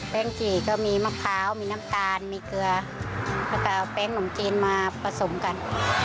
แป้งจีก็มีมะคะวมีน้ำตาลไลน์เกลือและเอาแป้งขนมจีนน้ำมาผสมกัน